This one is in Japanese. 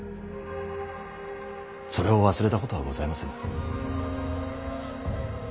それを忘れたことはございませぬ。